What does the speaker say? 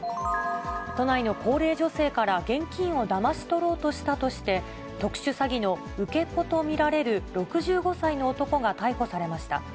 都内の高齢女性から現金をだまし取ろうとしたとして、特殊詐欺の受け子と見られる６５歳の男が逮捕されました。